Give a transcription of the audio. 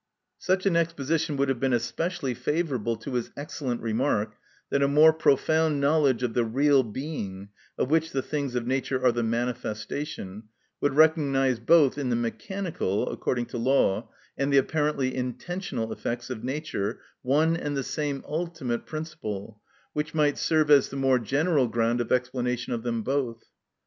Such an exposition would have been especially favourable to his excellent remark that a more profound knowledge of the real being, of which the things of nature are the manifestation, would recognise both in the mechanical (according to law) and the apparently intentional effects of nature one and the same ultimate principle, which might serve as the more general ground of explanation of them both.